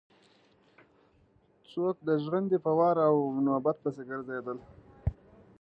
څوک د ژرندې په وار او نوبت پسې ګرځېدل.